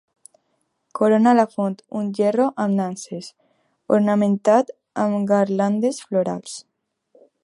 Corona la font un gerro amb nanses, ornamentat amb garlandes florals.